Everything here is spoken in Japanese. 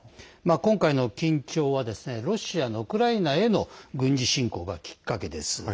今回の緊張はロシアのウクライナへの軍事侵攻がきっかけです。